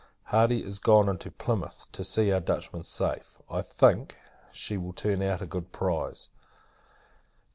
Hardy is gone into Plymouth, to see our Dutchman safe. I think, she will turn out a good prize.